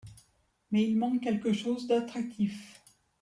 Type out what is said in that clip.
Mais il manque quelque chose d'attractif.